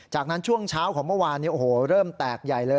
จากนั้นช่วงเช้าของเมื่อวานเริ่มแตกใหญ่เลย